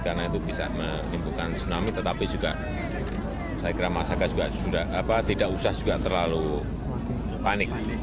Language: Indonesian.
karena itu bisa menimbulkan tsunami tetapi juga saya kira masyarakat tidak usah terlalu panik